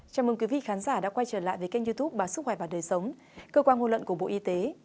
chào mừng quý vị khán giả đã quay trở lại với kênh youtube bà sức khỏe và đời sống cơ quan ngôn luận của bộ y tế